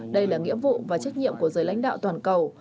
đây là nghĩa vụ và trách nhiệm của giới lãnh đạo toàn cầu